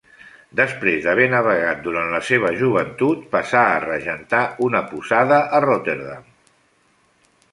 Després d'haver navegat durant la seva joventut passà a regentar una posada de Rotterdam.